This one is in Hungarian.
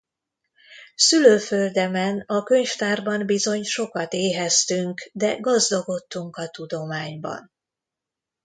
Szülőföldemen, a könyvtárban bizony sokat éheztünk, de gazdagodtunk a tudományban.